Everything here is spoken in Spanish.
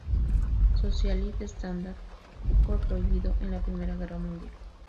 Socialist Standard fue prohibido en la primera guerra mundial.